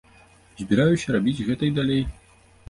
Збіраюся рабіць гэта і далей.